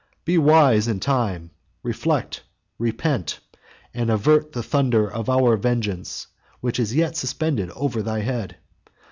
Be wise in time; reflect; repent; and avert the thunder of our vengeance, which is yet suspended over thy head.